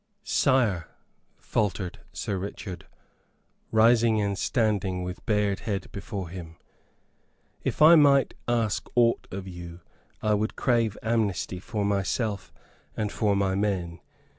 "Sire," faltered Sir Richard, rising and standing with bared head before him. "If I might ask aught of you I would crave amnesty for myself and for my men.